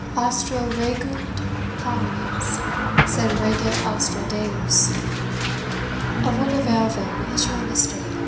ASTRA REGUNT HOMINES, SED REGIT ASTRA DEUS." "Of what avail, then, is your mystery?"